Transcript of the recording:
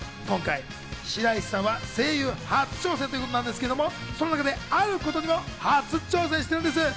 今回、白石さんは声優初挑戦ということなんですけれども、その中であることにも初挑戦しているんです。